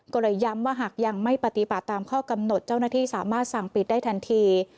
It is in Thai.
ก็เลยย้ำว่าหากยังไม่ปฏิบัติตามข้อกำหนดเจ้าหน้าที่สามารถสั่งปิดได้ทันที